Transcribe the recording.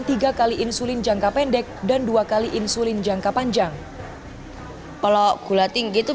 tiga kali insulin jangka pendek dan dua kali insulin jangka panjang kalau gula tinggi itu